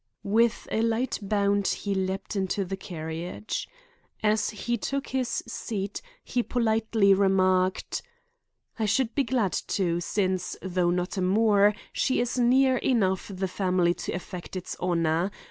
With a light bound he leaped into the carriage. As he took his seat he politely remarked: "I should be glad to, since, though not a Moore, she is near enough the family to affect its honor.